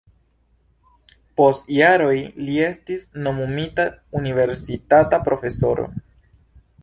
Post jaroj li estis nomumita universitata profesoro.